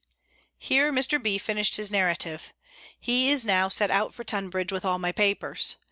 Here Mr. B. finished his narrative. He is now set out for Tunbridge with all my papers.